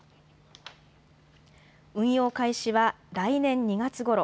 運用開始は来年２月ごろ。